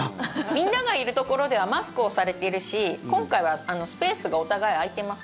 みんながいるところではマスクをされているし今回はスペースがお互い空いています。